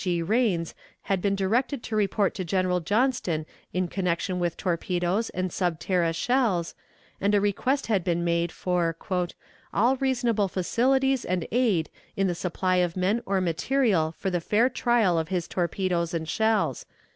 G. Rains had been directed to report to General Johnston in connection with torpedoes and sub terra shells, and a request had been made for "all reasonable facilities and aid in the supply of men or material for the fair trial of his torpedoes and shells."